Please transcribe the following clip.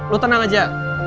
lu tenang aja